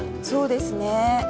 そうですね。